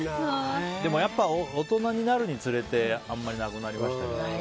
でもやっぱ、大人になるにつれてあんまりなくなりましたよね。